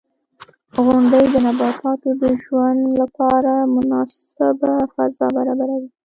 • غونډۍ د نباتاتو د ژوند لپاره مناسبه فضا برابروي.